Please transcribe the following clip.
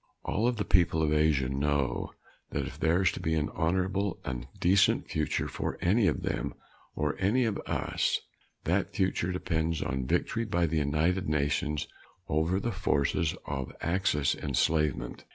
All of the people of Asia know that if there is to be an honorable and decent future for any of them or any of us, that future depends on victory by the United Nations over the forces of Axis enslavement.